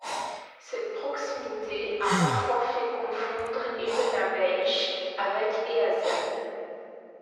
Cette proximité a parfois fait confondre Ellenabeich avec Easdale.